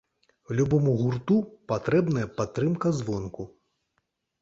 Любому гурту патрэбная падтрымка звонку.